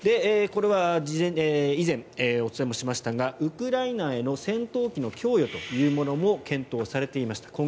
これは以前、お伝えもしましたがウクライナへの戦闘機の供与というものも検討されていました。